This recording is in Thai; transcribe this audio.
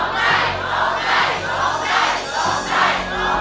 โทษให้โทษให้โทษให้